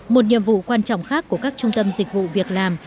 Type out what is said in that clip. một nhiệm vụ quan trọng khác của các trung tâm dịch vụ việc làm